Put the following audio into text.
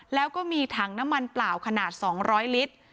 แล้วก็มีถังน้ำมันเปล่าขนาด๒๐๐ลิตร